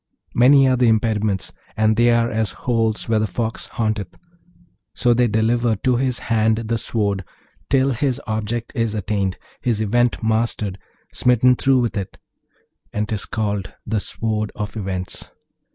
Many are the impediments, and they are as holes where the fox haunteth. So they deliver to his hand the sword till his object is attained, his Event mastered, smitten through with it; and 'tis called the Sword of Events.